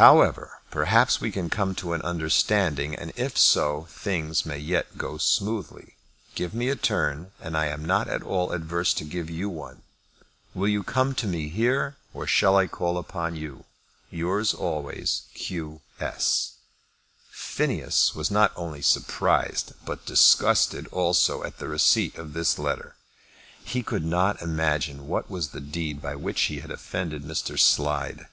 However, perhaps we can come to an understanding, and if so, things may yet go smoothly. Give me a turn and I am not at all adverse to give you one. Will you come to me here, or shall I call upon you? Yours always, Q. S. Phineas was not only surprised, but disgusted also, at the receipt of this letter. He could not imagine what was the deed by which he had offended Mr. Slide.